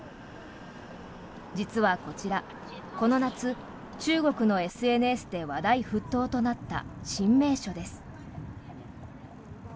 実はこちら、この夏中国のＳＮＳで話題沸騰となった新名所です。